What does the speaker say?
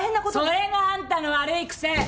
それがあんたの悪い癖。